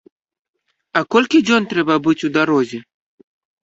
А колькі дзён трэба быць у дарозе?